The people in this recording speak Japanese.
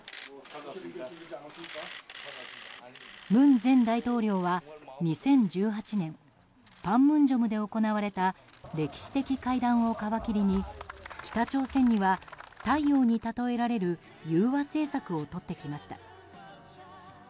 文前大統領は２０１８年パンムンジョムで行われた歴史的会談を皮切りに北朝鮮には太陽に例えられる融和政策をとってきました。